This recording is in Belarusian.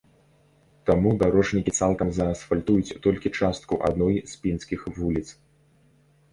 Таму дарожнікі цалкам заасфальтуюць толькі частку адной з пінскіх вуліц.